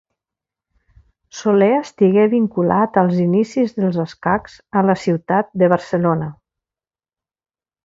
Soler estigué vinculat als inicis dels escacs a la ciutat de Barcelona.